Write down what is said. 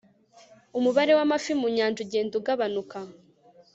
umubare w'amafi mu nyanja ugenda ugabanuka